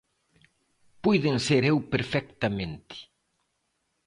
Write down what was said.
Puiden ser eu perfectamente.